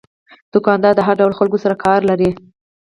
دوکاندار د هر ډول خلکو سره سروکار لري.